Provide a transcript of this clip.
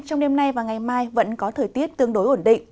trong đêm nay và ngày mai vẫn có thời tiết tương đối ổn định